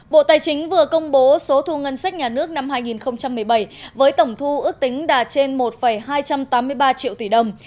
bộ tài chính vừa công bố số thu ngân sách nhà nước năm hai nghìn một mươi bảy với tổng thu ước tính đạt trên một hai trăm tám mươi ba triệu tỷ đồng